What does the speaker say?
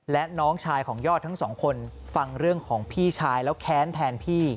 และน้องชายของยอดทั้งสองคนฟังเรื่องของพี่ชายแล้วแค้นแทนพี่